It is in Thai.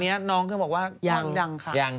เนี้ยน้องก็บอกว่ายังดังค่ะ